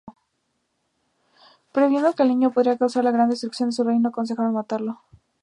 Previendo que el niño podría causar la gran destrucción de su reino, aconsejan matarlo.